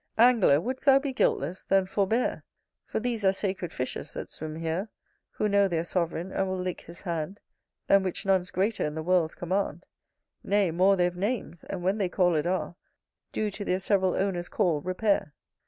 Angler! would'st thou be guiltless ? then forbear; For these are sacred fishes that swim here, Who know their sovereign, and will lick his hand, Than which none's greater in the world's command; Nay more they've names, and, when they called are, Do to their several owner's call repair.